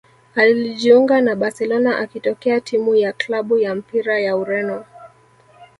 Alijiunga na Barcelona akitokea timu ya klabu ya mpira ya Ureno